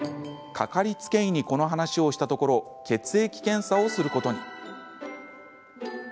掛かりつけ医にこの話をしたところ血液検査をすることに。